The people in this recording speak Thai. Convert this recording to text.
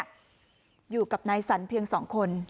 อยู่กับนายสันเพียง๒คน